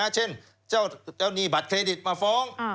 เช่นเจ้าหนี้บัตรเครดิตมาฟ้อง